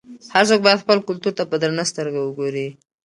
هر څوک باید خپل کلتور ته په درنه سترګه وګوري.